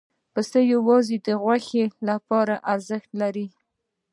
پسه یوازې د غوښې لپاره ارزښت لري.